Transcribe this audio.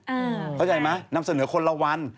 เข้าใจไหมนำเสนอคนละวัน